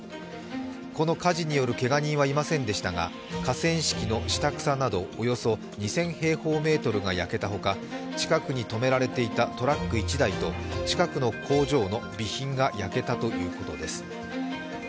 この火事によるけが人はいませんでしたが、河川敷の下草などおよそ２０００平方メートルが焼けたほか近くに止められていたトラック１台と近くの工場の備品が焼けたということです。